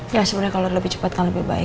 ya sebenernya kalo lebih cepat kan lebih baik